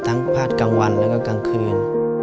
พาดกลางวันแล้วก็กลางคืน